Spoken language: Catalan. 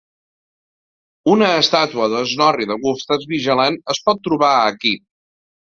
Una estàtua de Snorri de Gustav Vigeland es pot trobar aquí.